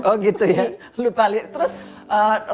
oh gitu ya lupa lirik terus responnya